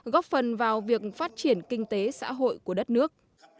góp phần vào việc phát triển kinh tế xã hội của đất nước